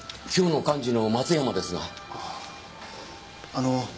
あの。